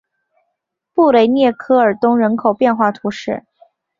布雷涅科尔东人口变化图示